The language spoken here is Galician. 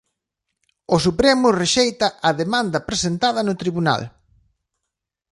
O Supremo rexeita a demanda presentada no tribunal